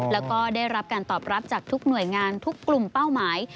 แล้วก็ได้รับการตอบรับจากทุกหน่วยงานทุกกลุ่มเป้าหมาย